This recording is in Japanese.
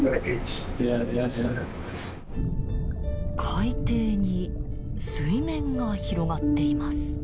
海底に水面が広がっています。